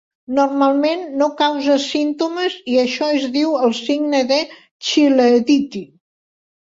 Normalment no causa símptomes i això es diu el signe de Chilaiditi.